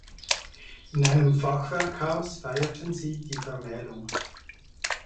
In einem Fachwerkhaus feierten sie die Vermählung.